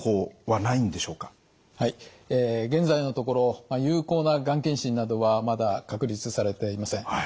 はい現在のところ有効ながん検診などはまだ確立されていません。